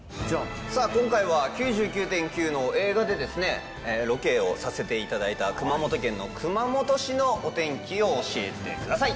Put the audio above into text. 今回は９９．９の映画でロケをさせていただいた熊本県の熊本市のお天気を教えてください。